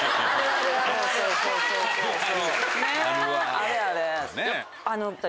あれあれ。